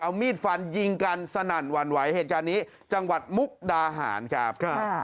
เอามีดฟันยิงกันสนั่นหวั่นไหวเหตุการณ์นี้จังหวัดมุกดาหารครับ